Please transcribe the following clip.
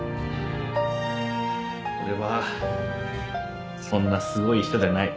俺はそんなすごい人じゃない。